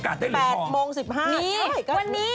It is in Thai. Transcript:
ว่าฉันมีโอกาสได้หรือคะตอน๘โมง๑๕